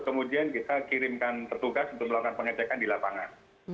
kemudian kita kirimkan petugas untuk melakukan pengecekan di lapangan